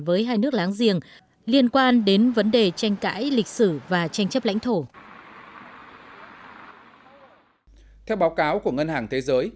với hai nước láng giềng liên quan đến vấn đề tranh cãi lịch sử và tranh chấp lãnh thổ